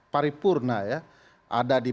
paripurna ya ada di